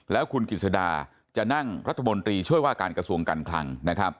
แล้วคุณกิจสดาจะนั่งรัฐมนตรีช่วยว่าการกระทรวงการคลัง